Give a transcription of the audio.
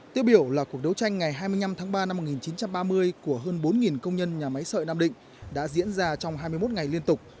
tiêu biểu là cuộc đấu tranh ngày hai mươi năm tháng ba năm một nghìn chín trăm ba mươi của hơn bốn công nhân nhà máy sợi nam định đã diễn ra trong hai mươi một ngày liên tục